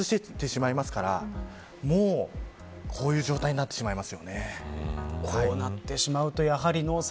どんどん蒸発していってしまいますからこういう状態になってしまいますよね。